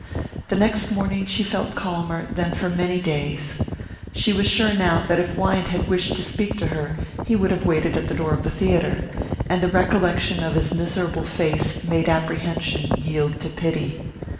The next morning she felt calmer than for many days. She was sure now that if Wyant had wished to speak to her he would have waited at the door of the theatre; and the recollection of his miserable face made apprehension yield to pity.